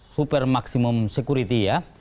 super maksimum security ya